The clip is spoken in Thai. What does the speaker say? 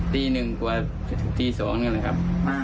ตี๑กว่าถึงตี๒นี่แหละครับ